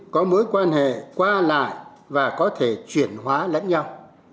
có mối quan hệ qua lại và có thể chuyển hóa lẫn nhau